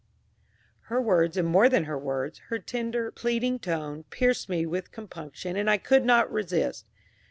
Her words, and, more than her words, her tender, pleading tone, pierced me with compunction, and I could not resist.